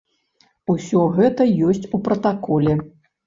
Усё гэта ёсць у пратаколе.